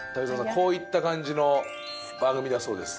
こういった感じの番組だそうです。